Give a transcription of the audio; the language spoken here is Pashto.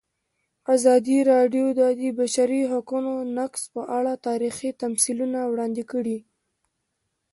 ازادي راډیو د د بشري حقونو نقض په اړه تاریخي تمثیلونه وړاندې کړي.